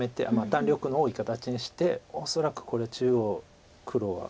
弾力の多い形にして恐らくこれ中央黒は。